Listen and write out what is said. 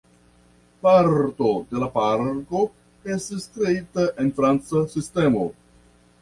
Parto de la parko estis kreita en franca sistemo.